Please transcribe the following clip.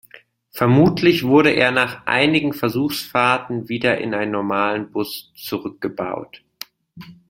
Vermutlich wurde er nach einigen Versuchsfahrten wieder in einen normalen Bus zurückgebaut.